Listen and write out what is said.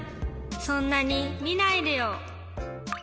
そんなにみないでよ。